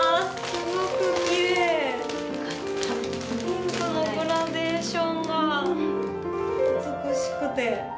ピンクのグラデーションが美しくて。